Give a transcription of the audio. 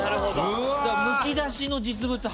むき出しの実物。